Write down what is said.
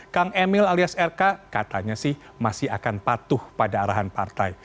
kang emil alias rk katanya sih masih akan patuh pada arahan partai